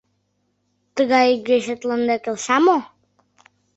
Тыгай игече тыланда келша мо?